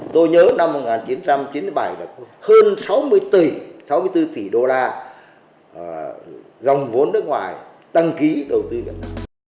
tôi nhớ năm một nghìn chín trăm chín mươi bảy là hơn sáu mươi tỷ sáu mươi bốn tỷ đô la dòng vốn nước ngoài tăng ký đầu tư nước ta